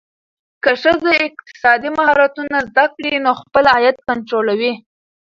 که ښځه اقتصادي مهارتونه زده کړي، نو خپل عاید کنټرولوي.